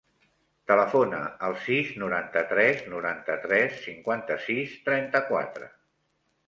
Telefona al sis, noranta-tres, noranta-tres, cinquanta-sis, trenta-quatre.